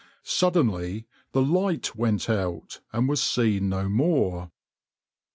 Suddenly the light went out and was seen no more.